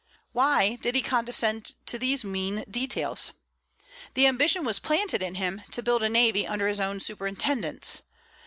Why did he condescend to these mean details? The ambition was planted in him to build a navy under his own superintendence.